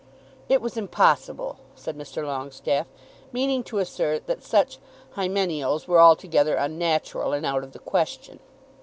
"It was impossible," said Mr. Longestaffe, meaning to assert that such hymeneals were altogether unnatural and out of the question.